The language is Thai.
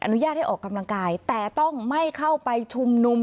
อนุญาตให้ออกกำลังกายแต่ต้องไม่เข้าไปชุมนุม